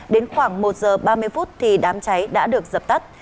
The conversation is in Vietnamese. đến khoảng một giờ ba mươi phút thì đám cháy đã được dập tắt